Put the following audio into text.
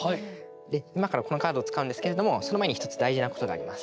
で今からこのカードを使うんですけれどもその前に１つ大事なことがあります。